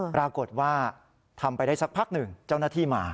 ปรากฏว่าทำไปได้สักพักหนึ่งเจ้าหน้าที่มา